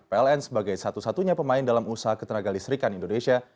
pln sebagai satu satunya pemain dalam usaha ketenaga listrikan indonesia